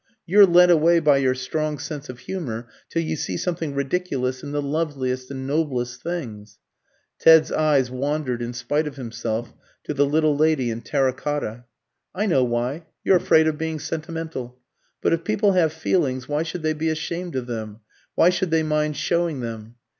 You're led away by your strong sense of humour, till you see something ridiculous in the loveliest and noblest things" (Ted's eyes wandered in spite of himself to the little lady in terra cotta). "I know why: you're afraid of being sentimental. But if people have feelings, why should they be ashamed of them? Why should they mind showing them?